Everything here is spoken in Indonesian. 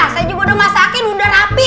saya juga udah masakin udah rapi